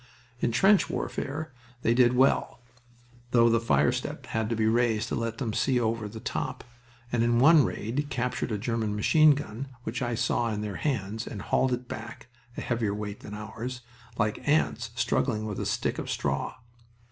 In trench warfare they did well though the fire step had to be raised to let them see over the top and in one raid captured a German machine gun which I saw in their hands, and hauled it back (a heavier weight than ours) like ants struggling with a stick of straw.